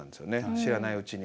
知らないうちに。